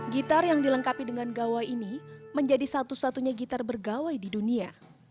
gitar yang dilengkapi dengan gawai ini menjadi satu satunya gitar bergawai di dunia